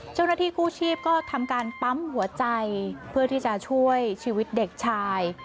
เจ้าหน้าที่กู้ชีพก็ทำการปั๊มหัวใจเพื่อที่จะช่วยชีวิตเด็กชาย